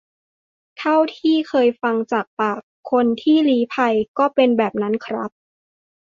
เท่าที่เคยฟังจากปากคนที่ลี้ภัย ก็เป็นแบบนั้นครับ